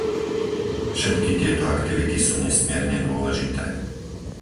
Všetky tieto aktivity sú nesmierne dôležité.